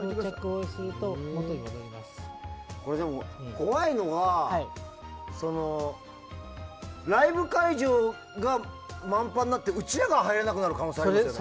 怖いのがライブ会場がまんぱんになってうちらが入れなくなる可能性がありますよね。